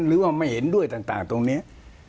หรือว่าไม่เห็นด้วยต่างตรงนี้